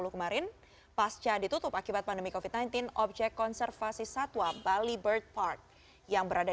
kemarin pasca ditutup akibat pandemi covid sembilan belas objek konservasi satwa bali bird park yang berada